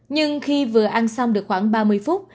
nhưng khi vừa ăn xong được khoảng ba mươi phút